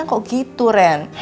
kok gitu ren